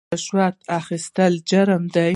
رشوت اخیستل حرام دي